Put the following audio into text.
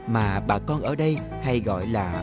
mà bà con ở đây hay gọi là